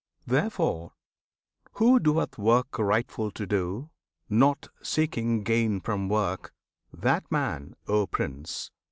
Therefore, who doeth work rightful to do, Not seeking gain from work, that man, O Prince!